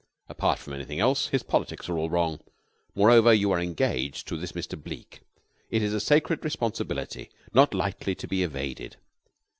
Apart from anything else, his politics are all wrong. Moreover, you are engaged to this Mr. Bleke. It is a sacred responsibility not lightly to be evaded.